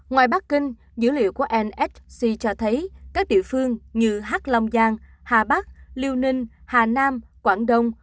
ngoài bắc kinh dữ liệu của nsc cho thấy các địa phương như hc long giang hà bắc liêu ninh hà nam quảng đông